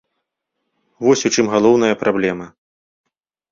Вось у чым галоўная праблема.